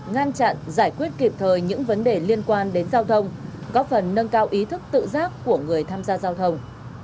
ngăn chặn giải quyết kịp thời những vấn đề liên quan đến giao thông góp phần nâng cao ý thức tự giác của người tham gia giao thông